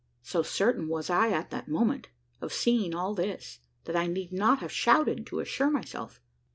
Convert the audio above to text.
So certain was I at the moment, of seeing all this, that I need not have shouted to assure myself.